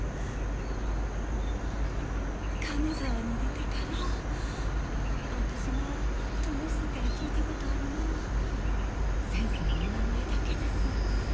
金沢に出てから私が智久から聞いたことあるがは先生のお名前だけです。